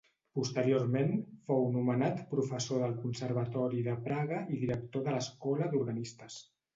Posteriorment fou nomenat professor del Conservatori de Praga i director de l'escola d'Organistes.